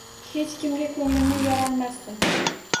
Hech kimga ko’nglimni yora olmasman…